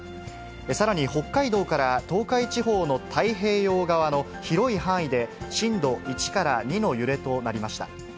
さらに北海道から東海地方の太平洋側の広い範囲で、震度１から２の揺れとなりました。